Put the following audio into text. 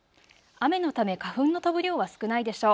雨のため花粉の飛ぶ量は少ないでしょう。